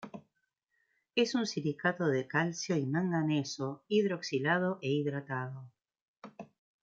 Es un silicato de calcio y manganeso, hidroxilado e hidratado.